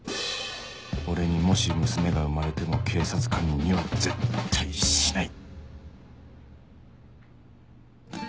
俺にもし娘が生まれても警察官には絶対しない！